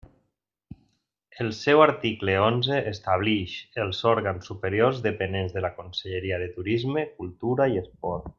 El seu article onze establix els òrgans superiors dependents de la Conselleria de Turisme, Cultura i Esport.